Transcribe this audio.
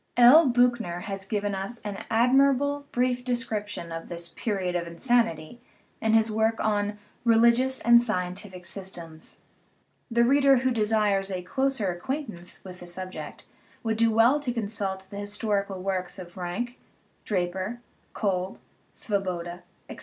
L. Biichner has given us an admirable, brief description of this "period of insanity" in his work on Religious and Scientific Systems. The reader who desires a closer acquaintance with the subject would do well to consult the historical works of Ranke, Draper, Kolb, Svoboda, etc.